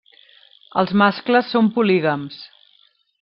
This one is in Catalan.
Els mascles són polígams.